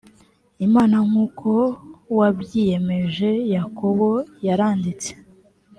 imana nk uko wabyiyemeje yakobo yaranditse